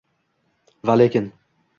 Va lekin